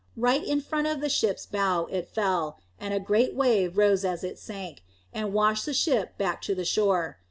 Right in front of the ship's bow it fell, and a great wave rose as it sank, and washed the ship back to the shore.